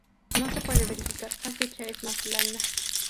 No se puede verificar cuál ficha es la más blanda.